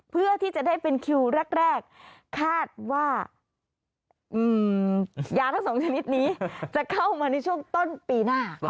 เพื่อที่จะได้เป็นคิวแรกคาดว่ายาทั้งสองชนิดนี้จะเข้ามาในช่วงต้นปีหน้า